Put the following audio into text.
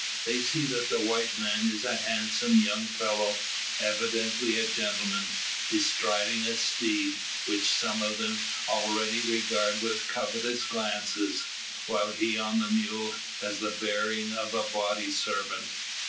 They see that the white man is a handsome young fellow evidently a gentleman bestriding a steed which some of them already regard with covetous glances; while he on the mule has the bearing of a body servant.